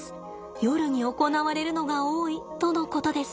夜に行われるのが多いとのことです。